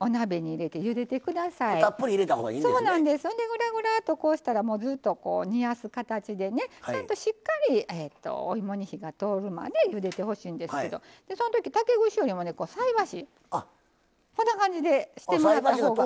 ぐらぐらっとこうしたらもうずっと煮やす形でねちゃんとしっかりお芋に火が通るまでゆでてほしいんですけどその時竹串よりもね菜箸こんな感じでしてもらった方が。